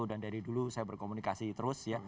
dan dari dulu saya berkomunikasi terus ya